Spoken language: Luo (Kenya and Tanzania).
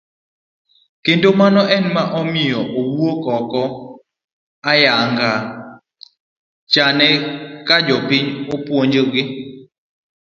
Kendo mano ema omiyo owuok oko yango chane ne jopiny ka opuonjogi.